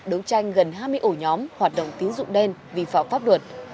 đấu tranh gần hai mươi ổ nhóm hoạt động tín dụng đen vi phạm pháp luật